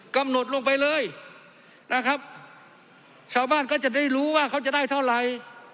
กำหนดลงไปเลยนะครับชาวบ้านก็จะได้รู้ว่าเขาจะได้เท่าไหร่